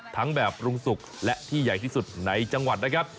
แบบปรุงสุกและที่ใหญ่ที่สุดในจังหวัดนะครับ